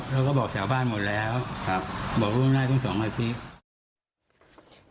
เราก็บอกชาวบ้านหมดแล้วครับบอกร่วมได้ตั้ง๒อาทิตย์